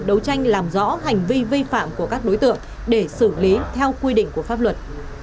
đấu tranh làm rõ hành vi vi phạm của các đối tượng để xử lý theo quy định của pháp luật